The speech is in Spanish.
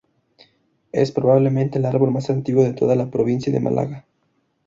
Es probablemente el árbol más antiguo de toda la provincia de Málaga.